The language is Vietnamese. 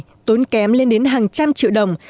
điều trị căn bệnh này tốn kém lên đến hàng trăm triệu đồng